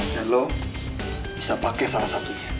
dan lo bisa pakai salah satunya